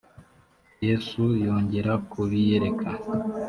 yesu yongera kubiyereka